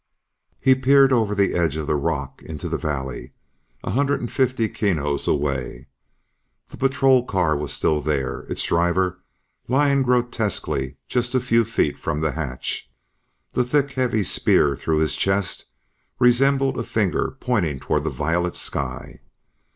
He peered over the edge of the rock into the valley, a hundred and fifty kinos away. The patrol car was still there, its driver lying grotesquely just a few feet from the hatch. The thick, heavy spear through his chest resembled a finger pointing toward the violet sky.